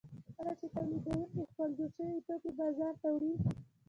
کله چې تولیدونکي خپل جوړ شوي توکي بازار ته وړي